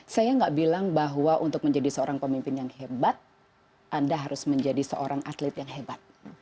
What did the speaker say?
saya nggak bilang bahwa untuk menjadi seorang pemimpin yang hebat anda harus menjadi seorang atlet yang hebat